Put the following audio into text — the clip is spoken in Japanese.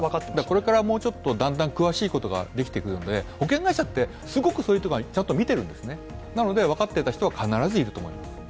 これからだんだん詳しいことが分かってくるので保険会社ってすごく、そういうところ、ちゃんと見ているんですねなので、分かっていた人は必ずいると思います。